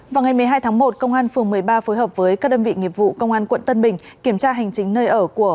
vào ngày một mươi hai tháng một công an phường một mươi ba phối hợp với các đơn vị nghiệp vụ công an quận tân bình kiểm tra hành chính nơi ở của